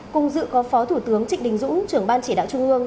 cùng dự có phó thủ tướng trịnh đình dũng trưởng ban chỉ đạo trung ương